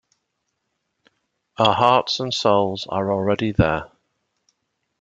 Our hearts and souls are already there.